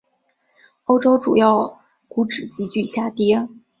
欧洲主要股指急剧下跌。